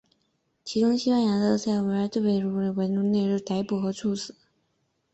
其中西班牙的塞尔维特终被克尔文派的日内瓦政府予以逮捕和处死。